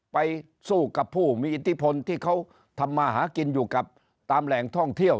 ไปสู้กับผู้มีอิทธิพลที่เขาทำมาหากินอยู่กับตามแหล่งท่องเที่ยว